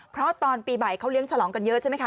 เพราะตอนปีใหม่เขาเลี้ยงฉลองกันเยอะใช่ไหมคะ